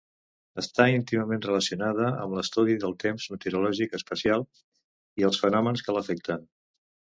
Està íntimament relacionada amb l'estudi del temps meteorològic espacial i els fenòmens que l'afecten.